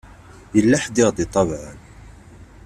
Yella ḥedd i ɣ-d-itabaɛen.